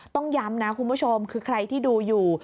ต้องย้ำนะคุณผู้ชมคือใครที่ดูอยู่